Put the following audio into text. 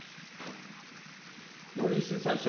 農林水産省、